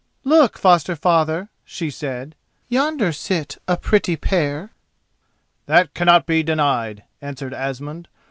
"Look, foster father," she said; "yonder sit a pretty pair!" "That cannot be denied," answered Asmund.